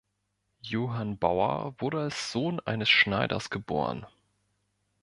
Johann Bauer wurde als Sohn eines Schneiders geboren.